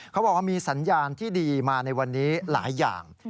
เขาบอกว่ามีสัญญาณที่ดีมาในวันนี้หลายอย่าง